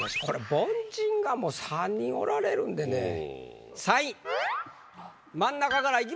これ凡人がもう３人おられるんでね